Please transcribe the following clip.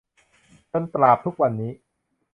จนตราบทุกวันนี้